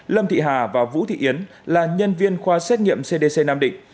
lâm thị hà và vũ thị yến là nhân viên khoa xét nghiệm cdc nam định